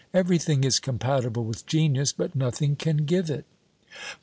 Everything is compatible with genius, but nothing can give it.